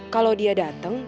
kalo dia dateng